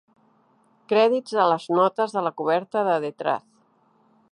Crèdits de les notes de la coberta de "The Truth".